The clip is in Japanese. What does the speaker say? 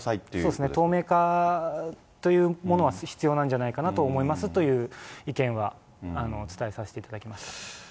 そうですね、透明化というものは必要なんじゃないかという意見は伝えさせていただきました。